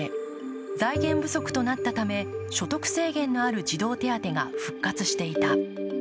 財源不足となったため、所得制限のある児童手当が復活していた。